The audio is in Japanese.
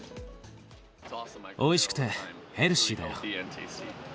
おいしくてヘルシーだよ。